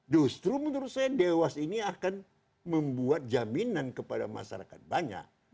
justru menurut saya dewas ini akan membuat jaminan kepada masyarakat banyak